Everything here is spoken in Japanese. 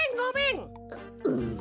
ううん。